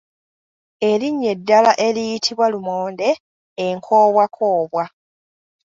Erinnya eddala eriyitibwa lumonde enkoobwakoobwa.